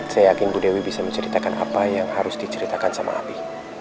saya yakin bu dewi bisa menceritakan apa yang harus diceritakan sama abi